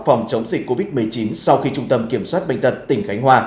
phòng chống dịch covid một mươi chín sau khi trung tâm kiểm soát bệnh tật tp hcm